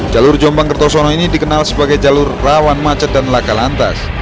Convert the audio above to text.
jalur jombang kertosono ini dikenal sebagai jalur rawan macet dan laka lantas